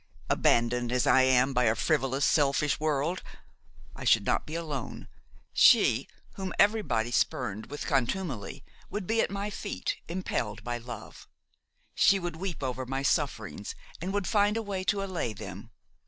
Abandoned as I am by a frivolous, selfish world, I should not be alone; she whom everybody spurned with contumely would be at my feet, impelled by love; she would weep over my sufferings and would find a way to allay them.